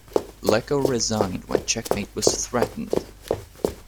Leko resigned when checkmate was threatened.